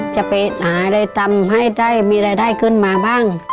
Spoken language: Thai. จะไปหาอะไรทำให้ได้มีรายได้ขึ้นมาบ้าง